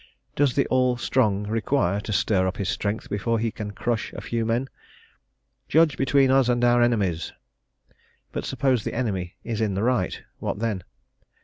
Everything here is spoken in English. Does the All strong require to stir up his strength before he can crush a few men? "Judge between us and our enemies." But suppose the enemy is in the right, what then?